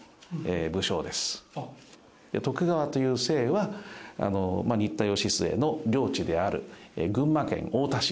徳川という姓は新田義季の領地である群馬県太田市